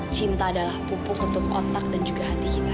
cinta adalah pupuk untuk otak dan juga hati kita